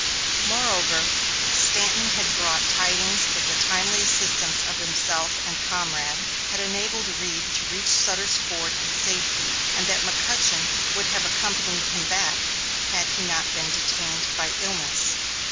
Moreover, Stanton had brought tidings that the timely assistance of himself and comrade had enabled Reed to reach Sutter's Fort in safety; and that McCutchen would have accompanied him back, had he not been detained by illness.